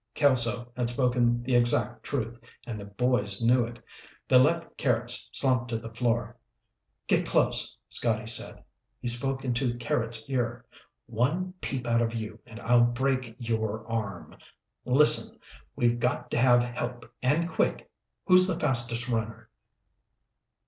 Kelso had spoken the exact truth, and the boys knew it. They let Carrots slump to the floor. "Get close," Scotty said. He spoke into Carrots' ear. "One peep out of you and I'll break your arm. Listen. We've got to have help and quick. Who's the fastest runner?"